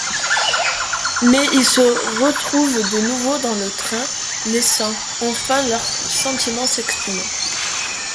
Mais ils se retrouvent de nouveau dans le train, laissant enfin leurs sentiments s'exprimer.